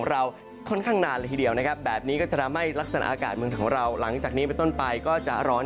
เราค่อนข้างนานเลยทีเดียวนะครับแบบนี้ก็จะทำให้ลักษณะอากาศเมืองของเราหลังจากนี้ไปต้นไปก็จะร้อน